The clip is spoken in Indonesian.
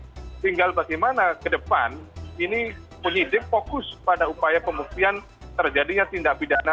tinggal bagaimana ke depan ini penyidik fokus pada upaya pembuktian terjadinya tindak pidana